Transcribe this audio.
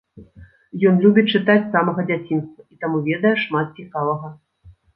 Ён любіць чытаць з самага дзяцінства і таму ведае шмат цікавага.